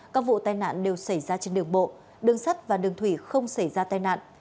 các vụ tai nạn đều xảy ra trên đường bộ đường sắt và đường thủy không xảy ra tai nạn